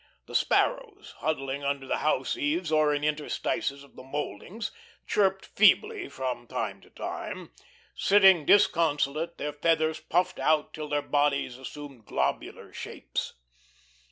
The sparrows, huddling under the house eaves or in interstices of the mouldings, chirped feebly from time to time, sitting disconsolate, their feathers puffed out till their bodies assumed globular shapes.